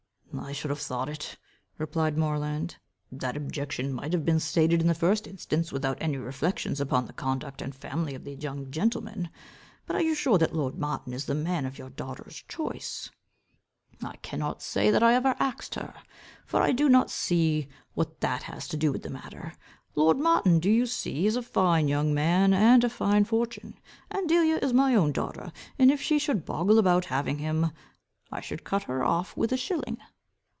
"I should have thought," replied Moreland, "that objection might have been stated in the first instance, without any reflexions upon the conduct and family of the young gentleman. But are you sure that lord Martin is the man of your daughter's choice?" "I cannot say that I ever axed her, for I do not see what that has to do with the matter. Lord Martin, do you see, is a fine young man, and a fine fortune. And Delia is my own daughter, and if she should boggle about having him, I would cut her off with a shilling."